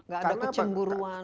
gak ada kecemburuan